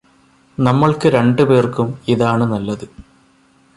നമ്മൾക്ക് രണ്ടു പേർക്കും ഇതാണ് നല്ലത്